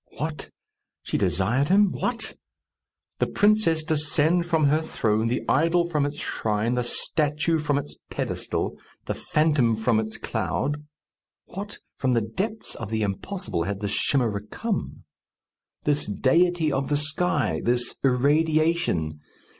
What! she desired him! What! the princess descend from her throne, the idol from its shrine, the statue from its pedestal, the phantom from its cloud! What! from the depths of the impossible had this chimera come! This deity of the sky! This irradiation!